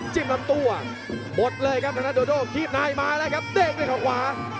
จิ้มลำตัวหมดเลยครับทางนั้นโดโด่คีบนายมาแล้วครับเด้งด้วยข่าวขวา